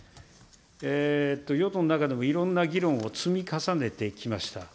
与党の中でもいろんな議論を積み重ねてきました。